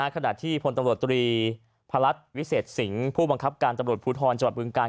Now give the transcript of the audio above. ขณะที่พลตำรวจตรีพระรัชวิเศษสิงห์ผู้บังคับการตำรวจภูทรจังหวัดบึงกาล